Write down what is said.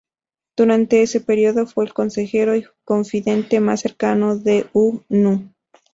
Durante ese período, fue el consejero y confidente más cercano de U Nu.